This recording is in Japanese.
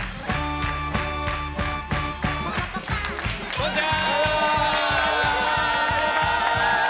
こんにちは！